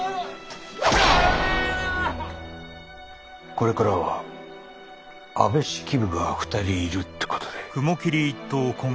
これからは安部式部が２人いるってことで。